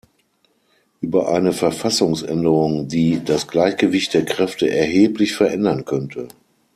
Über eine Verfassungsänderung, die "das Gleichgewicht der Kräfte erheblich verändern könnte".